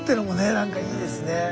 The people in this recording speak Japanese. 何かいいですね。